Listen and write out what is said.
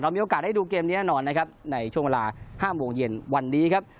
มีโอกาสได้ดูเกมนี้แน่นอนนะครับในช่วงเวลา๕โมงเย็นวันนี้ครับ